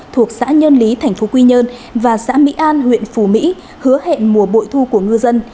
thuộc xã nhơn lý tp quy nhơn và xã mỹ an huyện phù mỹ hứa hẹn mùa bội thu của ngư dân